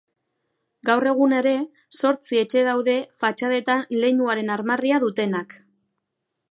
Gaur egun ere, zortzi etxe daude fatxadetan leinuaren armarria dutenak.